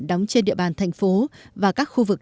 đóng trên địa bàn thành phố và các khu vực